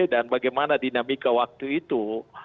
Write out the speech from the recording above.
dan bagaimana dinamika waktu itu